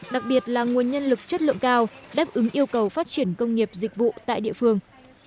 đặc biệt là nguồn nhân lực chất lượng cao đáp ứng yêu cầu phát triển công nghiệp dịch vụ tại địa phương